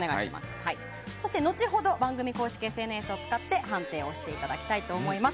そして、後ほど番組公式ＳＮＳを使って判定をしていただきたいと思います。